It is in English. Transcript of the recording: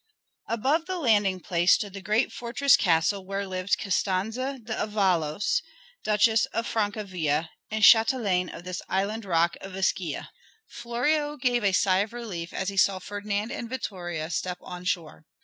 Above the landing place stood the great fortress castle where lived Costanza d' Avalos, Duchess of Francavilla, and châtelaine of this island rock of Ischia. Florio gave a sigh of relief as he saw Ferdinand and Vittoria step on shore.